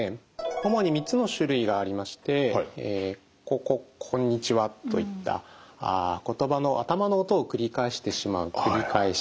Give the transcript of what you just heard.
主に３つの種類がありまして「こここんにちは」といったことばの頭の音を繰り返してしまう「繰り返し」。